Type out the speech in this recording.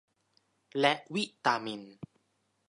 และวิตามิน